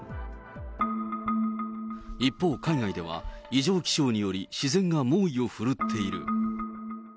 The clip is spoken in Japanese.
一方、海外では異常気象により、自然が猛威を振るっている。